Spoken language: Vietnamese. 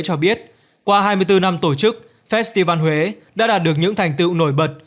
cho biết qua hai mươi bốn năm tổ chức festival huế đã đạt được những thành tựu nổi bật